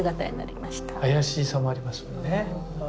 怪しさもありますもんね。